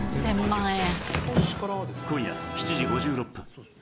今夜７時５６分。